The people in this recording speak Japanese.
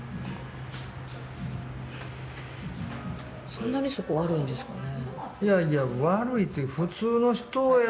そんなにそこ悪いんですかね。